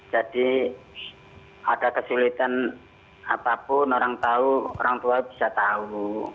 jadi ada kesulitan apapun orang tua bisa tahu